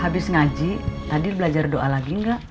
habis ngaji tadi belajar doa lagi nggak